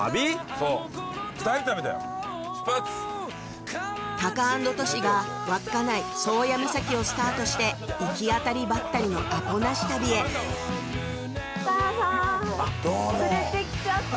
そう二人旅だよ出発タカアンドトシが稚内宗谷岬をスタートして行き当たりばったりのアポなし旅へお母さん連れてきちゃった